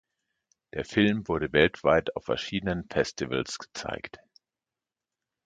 Der Film wurde weltweit auf verschiedenen Festivals gezeigt.